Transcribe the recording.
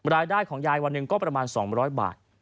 รายได้ของยายวันหนึ่งก็ประมาณ๒๐๐บาท